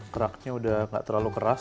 keraknya udah gak terlalu keras